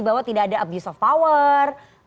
bahwa tidak ada abu sofawar